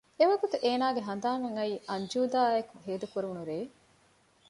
އެވަގުތު އޭނާގެ ހަނދާނަށް އައީ އަންޖޫދާ އާއެކު ހޭދަކުރެވުނު ރޭ